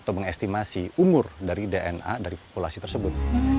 untuk mengestimalkan umur dari dna dari populasi tersebut